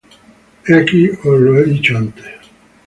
He aquí os lo he dicho antes.